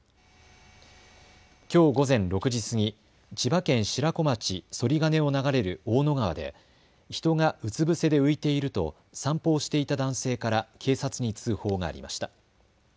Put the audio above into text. きょう午前６時過ぎ、千葉県白子町剃金を流れる大野川で人がうつ伏せで浮いていると散歩をしていた男性から警察に通報がありました。